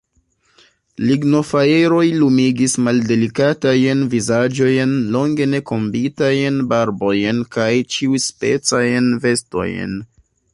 Lignofajroj lumigis maldelikatajn vizaĝojn, longe ne kombitajn barbojn kaj ĉiuspecajn vestojn.